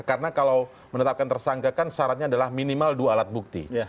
karena kalau menetapkan tersangka kan syaratnya adalah minimal dua alat bukti